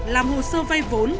làm hồ sơ vay vốn